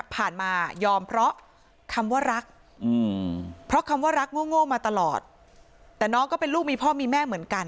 ผ่านมายอมเพราะคำว่ารักเพราะคำว่ารักโง่มาตลอดแต่น้องก็เป็นลูกมีพ่อมีแม่เหมือนกัน